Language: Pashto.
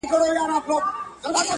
دا ده کوچي ځوانيمرگې نجلۍ تول دی